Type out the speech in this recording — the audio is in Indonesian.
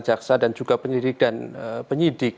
jaksa dan juga penyidik dan penyidik